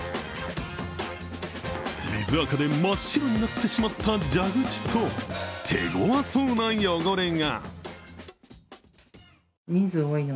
水あかで真っ白になってしまった蛇口と、手ごわそうな汚れが。